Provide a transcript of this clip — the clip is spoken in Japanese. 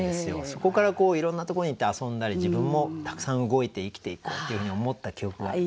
そこからいろんなところに行って遊んだり自分もたくさん動いて生きていこうっていうふうに思った記憶があるので。